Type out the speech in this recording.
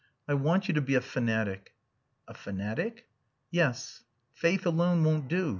"I want you to be a fanatic." "A fanatic?" "Yes. Faith alone won't do."